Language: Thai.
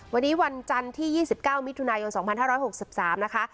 วันนี้วันจันทร์ที่ยี่สิบเก้ามิถุนายนสองพันห้าร้อยหกสิบสามนะคะ